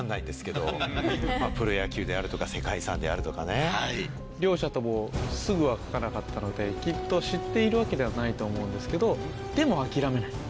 プロ野球であるとか世界遺産であるとかね。両者ともすぐは書かなかったのできっと知っているわけではないと思うんですけどでも諦めない。